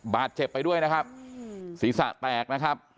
บาดเจ็บไปด้วยนะครับศีรษะแตกนะครับ